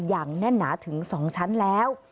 อย่างแน่นหนาถึง๒ชั้นแล้ว